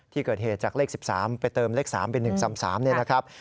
ที่เกิดเหตุจากเลข๑๓ไปเติมเลข๓เป็น๑๓๓เนี่ยนะครับ